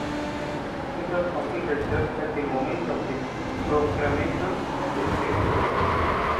It was completed just at the moment of the proclamation of the Second Republic.